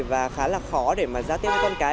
và khá là khó để mà ra tiếp với con cái